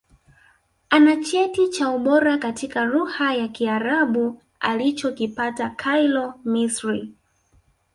Ana Cheti cha Ubora katika Lugha ya Kiarabu alichokipata Cairo Misri